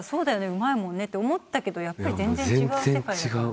うまいもんねって思ったけどやっぱり全然違う世界だからね。